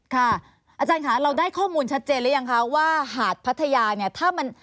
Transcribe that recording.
อาจารย์ค่ะเราได้ข้อมูลชัดเจนหรือยังคะว่าหาดพัทยาเนี่ยถ้ามัน